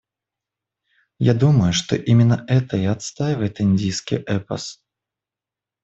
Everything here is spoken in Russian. Я думаю, что именно это и отстаивает индийский эпос.